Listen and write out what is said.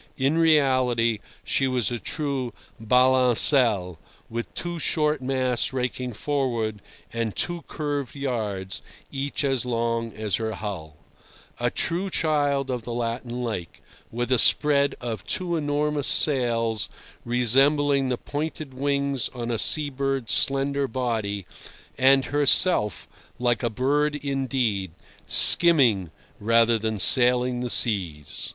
In reality, she was a true balancelle, with two short masts raking forward and two curved yards, each as long as her hull; a true child of the Latin lake, with a spread of two enormous sails resembling the pointed wings on a sea bird's slender body, and herself, like a bird indeed, skimming rather than sailing the seas.